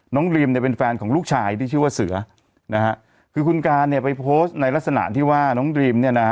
ดรีมเนี่ยเป็นแฟนของลูกชายที่ชื่อว่าเสือนะฮะคือคุณการเนี่ยไปโพสต์ในลักษณะที่ว่าน้องดรีมเนี่ยนะฮะ